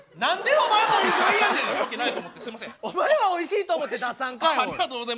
お前はおいしいと思って出さんかい。